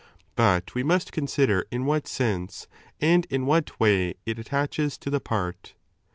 But we must consider in what sense and in what way it attaches to the part.